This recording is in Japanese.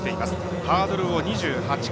ハードルを２８回。